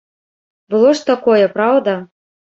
Было ж такое, праўда?